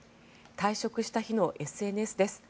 退職した日のＳＮＳです。